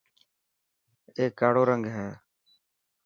اي ڪاڙو رنگ هي.